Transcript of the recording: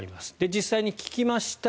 実際に聞きました。